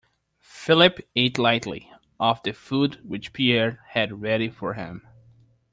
Philip ate lightly of the food which Pierre had ready for him.